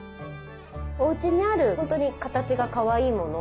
おうちにある本当に形がかわいいもの